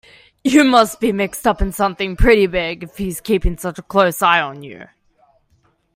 You must be mixed up in something pretty big if he's keeping such a close eye on you.